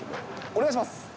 お願いします。